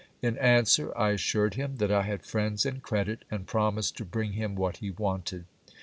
In answer, I assured him that I had friends and credit, and promised to bring him what he wanted.